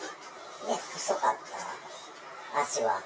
細かった、足は。